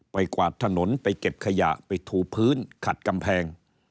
กวาดถนนไปเก็บขยะไปถูพื้นขัดกำแพง